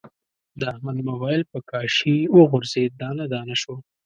د احمد مبایل په کاشي و غورځید، دانه دانه شو.